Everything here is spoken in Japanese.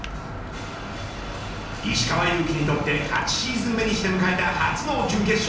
石川祐希にとって８シーズン目にして迎えた初の準決勝。